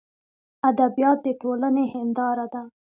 ادبیات دټولني هنداره ده.